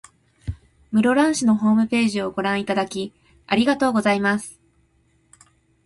室蘭市のホームページをご覧いただき、ありがとうございます。